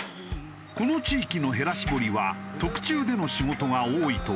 この地域のへら絞りは特注での仕事が多いという。